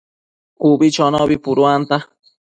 Ubi chonobi puduanta